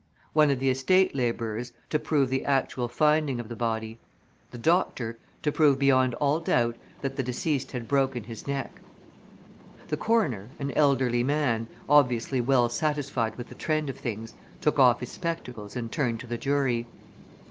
One of the estate labourers to prove the actual finding of the body. The doctor to prove, beyond all doubt, that the deceased had broken his neck. The coroner, an elderly man, obviously well satisfied with the trend of things, took off his spectacles and turned to the jury.